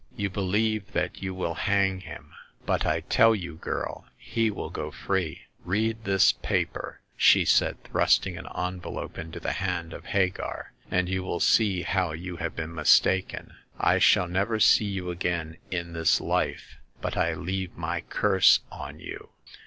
You believe that you will hang him ; but I tell you, girl, he will go free. Read this paper," she said, thrust ing an envelope into the hand of Hagar, " and you will see how you have been mistaken. I shall never see you again in this life ; but I leave my curse on you